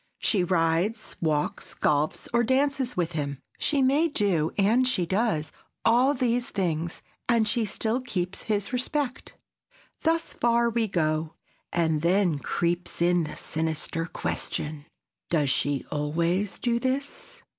She rides, walks, golfs or dances with him. She may do, and she does, all these things, and she still keeps his respect. Thus far we go, and then creeps in the sinister question: Does she always do this?